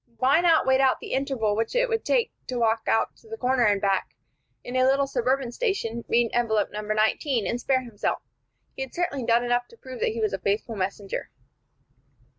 Why not wait out the interval which it would take to walk to the corner and back in a little suburban station, read envelope No. 19, and spare himself? He had certainly done enough to prove that he was a faithful messenger.